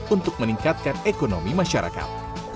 untuk meningkatkan ekonomi masyarakat